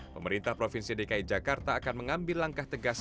pemerintah provinsi dki jakarta akan mengambil langkah tegas